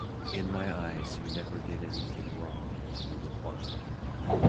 "In my eyes, you never did anything wrong", he replied.